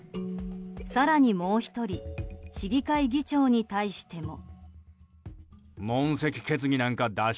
更に、もう１人市議会議長に対しても。